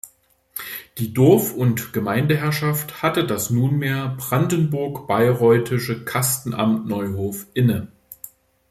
Die Dorf- und Gemeindeherrschaft hatte das nunmehr brandenburg-bayreuthische Kastenamt Neuhof inne.